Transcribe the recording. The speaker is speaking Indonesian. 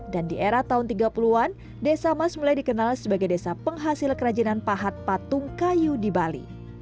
dan di era tahun tiga puluh an desa mas mulai dikenal sebagai desa penghasil kerajinan pahat patung kayu di bali